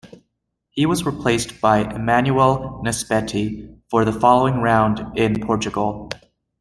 He was replaced by Emanuele Naspetti for the following round in Portugal.